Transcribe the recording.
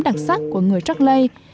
đặc sắc của người rắc lây